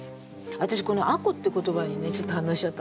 私この「吾子」って言葉にねちょっと反応しちゃったの。